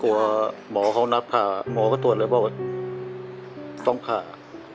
กลัวหมอเค้านับผ่าหมอก็ถูกตรวจเริ่มว่าต้องผ่า